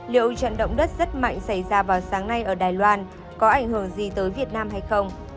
liệu trận động đất rất mạnh xảy ra vào sáng nay ở đài loan có ảnh hưởng gì tới việt nam hay không